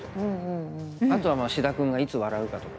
あとは志田君がいつ笑うかとか。